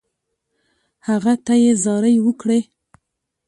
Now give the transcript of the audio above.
هغه ته یې زارۍ وکړې.